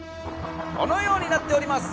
このようになっております！